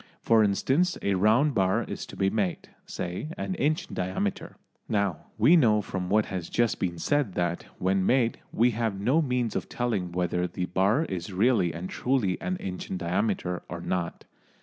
For instance, a round bar is to be made, say, an inch in diameter. Now we know from what has just been said that, when made, we have no means of telling whether the bar is really and truly an inch in diameter or not.